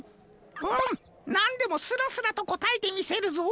うむなんでもスラスラとこたえてみせるぞ。